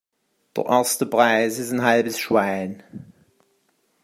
Der erste Preis ist ein halbes Schwein.